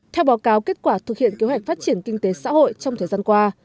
theo báo cáo kết quả thực hiện kế hoạch phát triển kinh tế xã hội trong thời gian qua